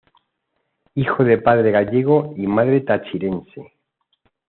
Hijo de padre gallego y madre tachirense.